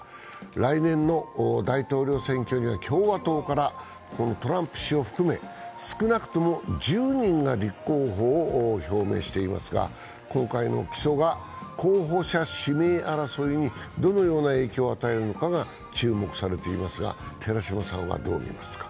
来年の大統領選挙には共和党からこのトランプ氏を含め少なくとも１０人が立候補を表明していますが今回の起訴が候補者指名争いにどのような影響を与えるのかが注目されていますが、寺島さんはどう見ますか？